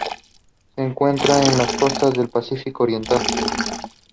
The group stages were abolished and any amalgamations withdrawn.